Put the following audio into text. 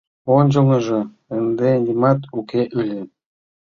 Ончылныжо ынде нимат уке ыле.